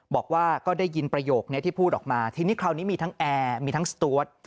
บอกว่าก็ได้ยินประโยคนี้ที่พูดออกมาทีนี้คราวนี้มีทั้งแอร์มีทั้งสตวด